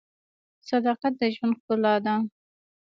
• صداقت د ژوند ښکلا ده.